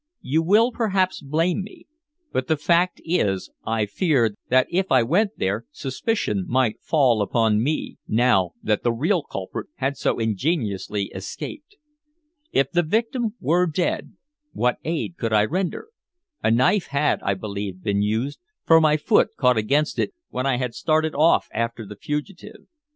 You will perhaps blame me, but the fact is I feared that if I went there suspicion might fall upon me, now that the real culprit had so ingeniously escaped. If the victim were dead, what aid could I render? A knife had, I believed, been used, for my foot caught against it when I had started off after the fugitive.